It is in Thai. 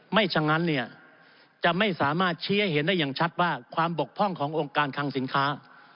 ฉะนั้นเนี่ยจะไม่สามารถชี้ให้เห็นได้อย่างชัดว่าความบกพร่องขององค์การคังสินค้า